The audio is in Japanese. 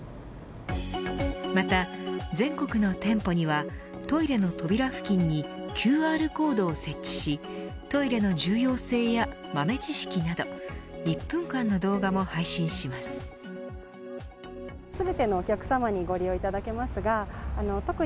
また全国の店舗にはトイレの扉付近にＱＲコードを設置しトイレの重要性や豆知識など１分間の動画も配信します。